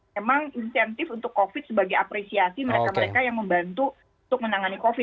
memang insentif untuk covid sebagai apresiasi mereka mereka yang membantu untuk menangani covid